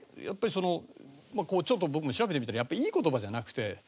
やっぱりちょっと僕も調べてみたらやっぱりいい言葉じゃなくて。